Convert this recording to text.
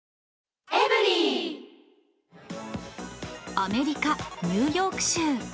アメリカ・ニューヨーク州。